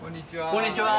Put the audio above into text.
こんにちは。